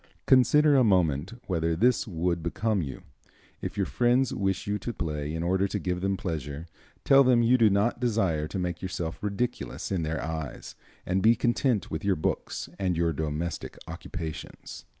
Consider a moment whether this would become you. If your friends wish you to play in order to give them pleasure, tell them you do not desire to make yourself ridiculous in their eyes, and be content with your books and your domestic occupations."